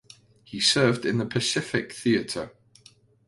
He served in the Pacific theater.